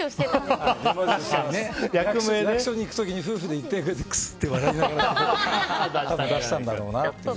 役所に行く時に夫婦で、くすって笑いながら出したんだろうなって。